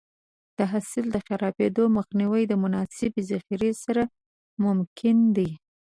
د حاصل د خرابېدو مخنیوی د مناسبې ذخیرې سره ممکن دی.